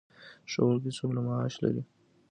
ښوونکي څومره معاش لري؟